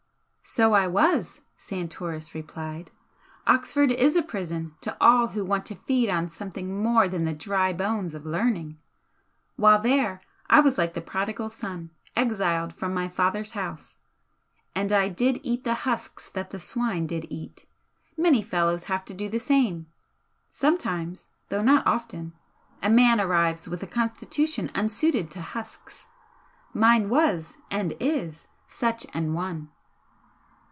"So I was" Santoris replied "Oxford is a prison, to all who want to feed on something more than the dry bones of learning. While there I was like the prodigal son, exiled from my Father's House. And I 'did eat the husks that the swine did eat.' Many fellows have to do the same. Sometimes though not often a man arrives with a constitution unsuited to husks. Mine was and is such an one."